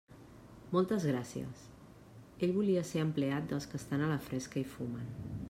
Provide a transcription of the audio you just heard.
Moltes gràcies; ell volia ser empleat dels que estan a la fresca i fumen.